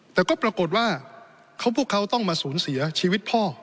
แต่ก็ปรากฏว่าพวกเขาต้องมาสูญเสียชีวิตพ่อ